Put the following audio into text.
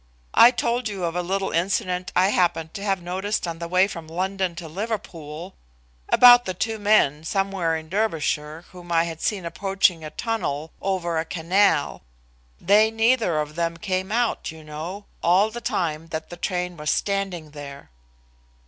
I told you of a little incident I happened to have noticed on the way from London to Liverpool, about the two men somewhere in Derbyshire whom I had seen approaching a tunnel over a canal they neither of them came out, you know, all the time that the train was standing there."